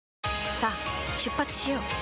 さあ出発しよう。